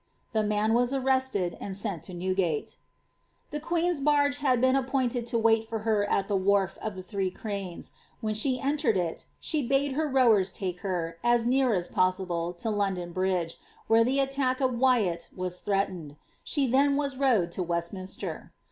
The man was arrested and sent to Newgate.' The queen's barge had been appointed to wait for her at the wharf of the Three Cranes : when she entered it, she bade her rowere take her, as near as possible, to London Bridge, where the attack of Wyatt was threatened : she then was rowed to Westminster.